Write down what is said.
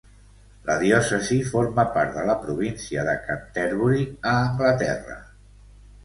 La diòcesi forma part de la província de Canterbury a Anglaterra.